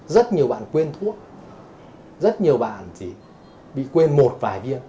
rất nhiều bạn quên thuốc rất nhiều bạn chỉ bị quên một vài viên